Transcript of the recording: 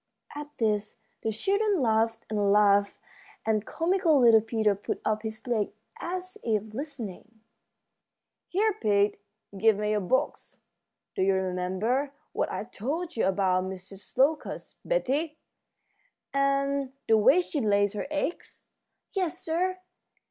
At this the children laughed and laughed, and comical little Peter put up his leg as if listening. "Here, Pete, give me your box. Do you remember what I told you about Mrs. Locust, Betty, and the way she lays her eggs?" "Yes, sir.